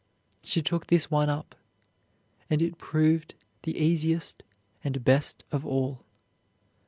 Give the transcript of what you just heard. She took this one up and it proved the easiest and best of all.